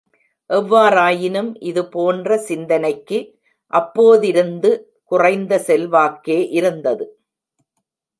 எவ்வாறாயினும், இது போன்ற சிந்தனைக்கு, அப்போதிருந்து குறைந்த செல்வாக்கே இருந்தது.